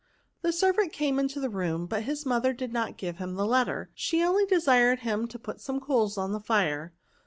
The servant came into the room, hut his mother did not give him the letter ; she only desired him to put some coals on the fire.